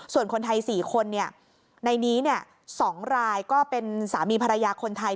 ส่วนคนไทย๔คนในนี้๒รายก็เป็นสามีภรรยาคนไทย